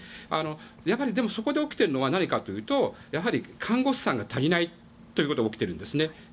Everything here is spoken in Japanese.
やっぱり、そこで起きているのは何かというとやはり看護師さんが足りないということが起きているんですね。